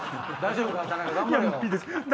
大丈夫か？